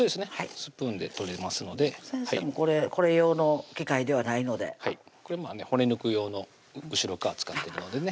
スプーンで取れますので先生もこれ用の器械ではないのではいこれ骨抜く用の後ろっ側使ってるのでね